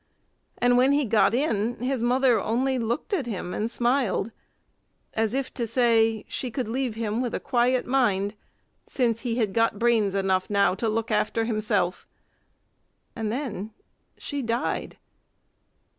And when he got in, his mother only looked at him and smiled as if to say she could leave him with a quiet mind since he had got brains enough now to look after himself and then she died.